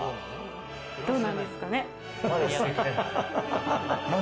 どうなんですかね？